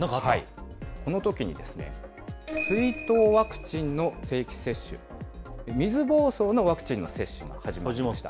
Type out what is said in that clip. このときにですね、水痘ワクチンの定期接種、水ぼうそうのワクチンの定期接種が始まりました。